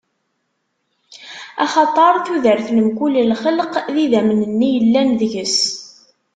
Axaṭer tudert n mkul lxelq, d idammen-nni yellan deg-s.